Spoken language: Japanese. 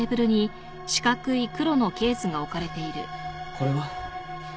これは？